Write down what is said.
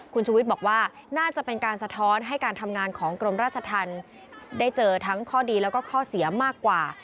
คุณชุวิตบอกว่าน่าจะเป็นการสะท้อนให้การทำงานของกรมราชธรรมได้เจอทั้งข้อดีแล้วก็ข้อเสียมากกว่า